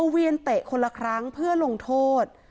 เวียนเตะคนละครั้งเพื่อลงโทษ